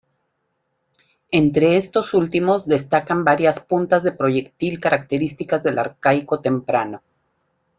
Entre estos últimos destacan varias puntas de proyectil características del Arcaico Temprano.